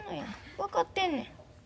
分かってんねん。